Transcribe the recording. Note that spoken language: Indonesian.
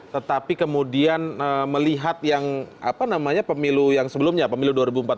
tetapi kemudian melihat yang apa namanya pemilu yang sebelumnya pemilu dua ribu empat belas